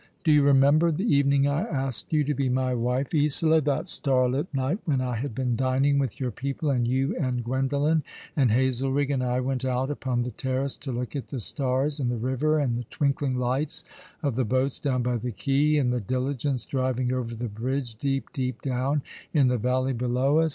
Do you remember the evening I asked you to be my wife, Isola ; that starlit night when I had been dining with your people, and you and Gwendolen, and Hazelrigg and I went out upon the terrace to look at the stars, and the river, and the twinkling lights of the boats down by the quay, and the diligence driving over the briige, deep, deep down in the valley below us?